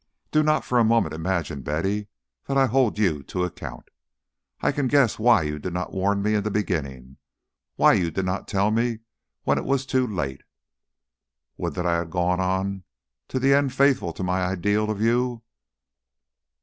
Do not for a moment imagine, Betty, that I hold you to account. I can guess why you did not warn me in the beginning, why you did not tell me when it was too late. Would that I had gone on to the end faithful to my ideal of you!